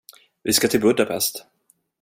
Vi ska till Budapest.